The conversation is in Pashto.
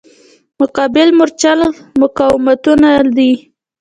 مقابل مورچل مقاومتونه دي.